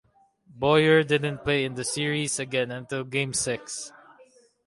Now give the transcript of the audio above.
Boyer didn't play in the Series again until Game Six.